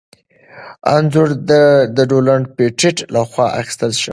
انځور د ډونلډ پېټټ لخوا اخیستل شوی.